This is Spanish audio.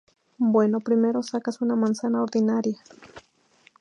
Bueno primero sacas una manzana ordinaria.